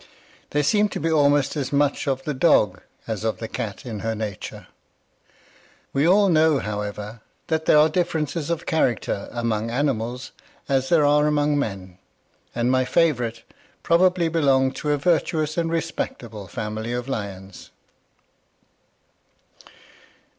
There seemed to be almost as much of the dog as of the cat in her nature. We all know, however, that there are differences of character among animals as there are among men; and my favorite probably belonged to a virtuous and respectable family of lions.